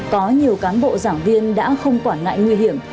có nhiều cán bộ giảng viên đã không quản ngại nguy hiểm